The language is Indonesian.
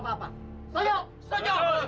rangga harus diberi pelajaran